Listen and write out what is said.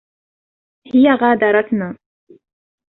هي غادرتنا.